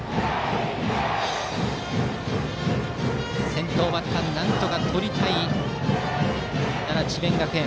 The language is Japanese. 先頭バッター、なんとかとりたい奈良・智弁学園。